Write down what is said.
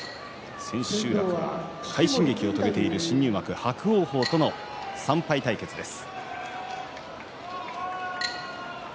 千秋楽は快進撃を遂げている新入幕伯桜鵬との３敗対決です。